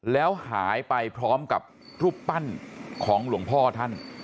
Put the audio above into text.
แล้วหายไปพร้อมกับรูปปั้นของหลวงพ่อท่าน